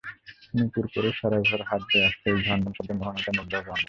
নূপুর পরে সারা ঘর হাঁটবে আর ঝনঝন শব্দের মোহনীয়তায় মুগ্ধ হব আমরা।